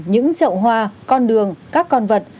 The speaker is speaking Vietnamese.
những trậu hoa con đường các con vật